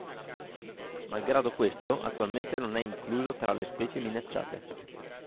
Malgrado questo, attualmente non è incluso tra le specie minacciate.